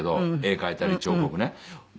絵描いたり彫刻ね。